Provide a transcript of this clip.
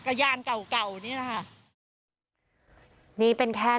คุณประสิทธิ์ทราบรึเปล่าคะว่า